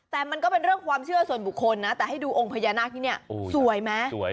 แต่มันก็เป็นเรื่องความเชื่อส่วนบุคคลนะแต่ให้ดูองค์พญานาคที่นี่สวยไหม